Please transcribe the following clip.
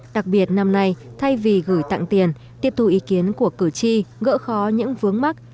đặc biệt năm nay thay vì gửi tặng tiền tiếp thu ý kiến của cử tri gỡ khó những vướng mắt